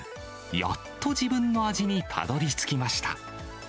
やっと自分の味にたどりつきました。